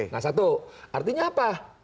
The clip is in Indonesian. nah satu artinya apa